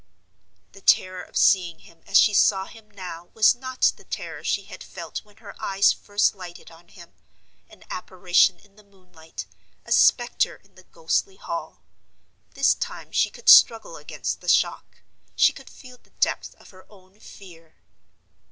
The terror of seeing him as she saw him now was not the terror she had felt when her eyes first lighted on him—an apparition in the moon light, a specter in the ghostly Hall. This time she could struggle against the shock; she could feel the depth of her own fear.